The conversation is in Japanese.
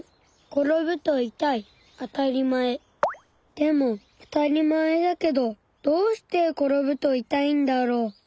でも当たり前だけどどうして転ぶと痛いんだろう。